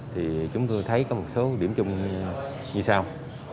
thì chúng tôi thấy có một số điểm chung như sau